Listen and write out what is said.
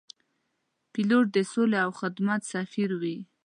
پیلوټ د سولې او خدمت سفیر وي.